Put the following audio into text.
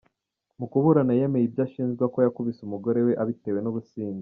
Mu kuburana, yemeye ibyo ashinjwa ko yakubise umugore we abitewe n’ubusinzi.